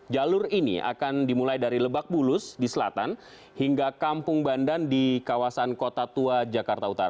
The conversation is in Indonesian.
jalur ini akan dimulai dari lebak bulus di selatan hingga kampung bandan di kawasan kota tua jakarta utara